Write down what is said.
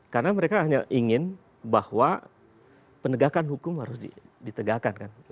karena mereka hanya ingin bahwa penegakan hukum harus ditegakkan